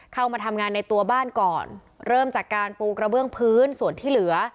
เข้ามาทำงานในตัวบ้านก่อนเริ่มจากการปูกระเบื้องพื้นส่วนที่เหลือ